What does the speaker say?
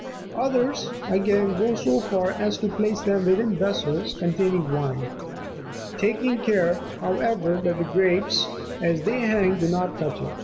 33 Others, again, go so far as to place them within vessels containing wine, taking care, however, that the grapes, as they hang, do not touch it.